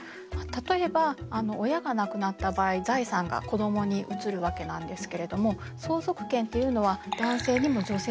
例えば親が亡くなった場合財産が子どもに移るわけなんですけれども相続権っていうのは男性にも女性にもありました。